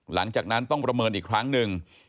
หลังจากนั้นต้องประเมินอีกครั้งหนึ่ง